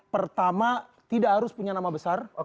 pertama tidak harus punya nama besar